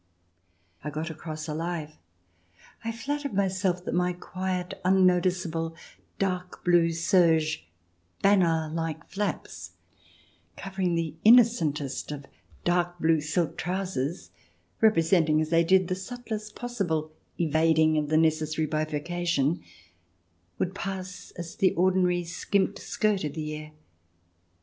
I got across alive. I flattered myself that my quiet, unnoticeable dark blue serge banner like flaps, covering the innocentest of dark blue silk trousers, representing as they did the subtlest pos sible evading of the necessary bifurcation, would pass as the ordinary skimped skirt of the year.